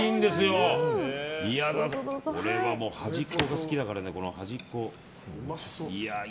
端っこが好きだから端っこを。